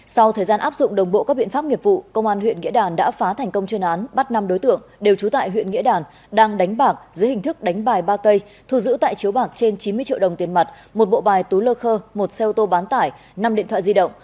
sau thời gian áp dụng đồng bộ các biện pháp nghiệp vụ công an huyện nghĩa đàn đã phá thành công chuyên án bắt năm đối tượng đều trú tại huyện nghĩa đàn đang đánh bạc dưới hình thức đánh bài ba cây thu giữ tại chiếu bạc trên chín mươi triệu đồng tiền mặt một bộ bài túi lơ khơ một xe ô tô bán tải năm điện thoại di động